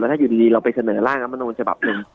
ถ้าอยู่ดีเราไปเสนอร่างรัฐมนูลฉบับหนึ่ง